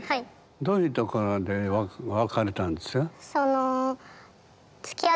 どういうところで別れたんですか？